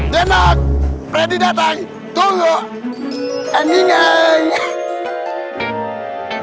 denak freddy datang tunggu enggak